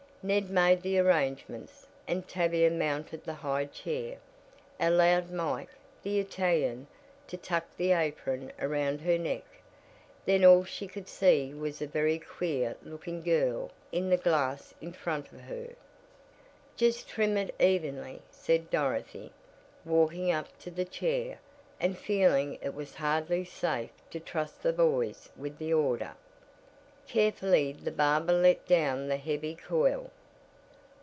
Ned made the arrangements, and Tavia mounted the high chair, allowed Mike, the Italian, to tuck the apron around her neck, then all she could see was a very queer looking girl in the glass in front of her. "Just trim it evenly," said Dorothy, walking up to the chair, and feeling it was hardly safe to trust the boys with the order. Carefully the barber let down the heavy coil.